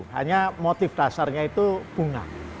hanya motif dasarnya itu bunga